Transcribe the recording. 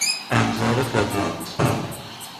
انظار خدمت